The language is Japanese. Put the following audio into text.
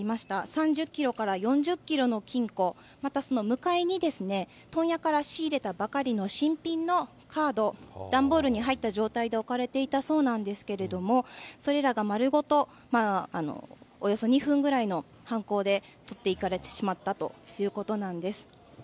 ３０キロから４０キロの金庫、またその向かいに問屋から仕入れたばかりの新品のカード、段ボールに入った状態で置かれていたそうなんですけれども、それらが丸ごと、およそ２分ぐらいの犯行でとっていかれてしまったということなんです。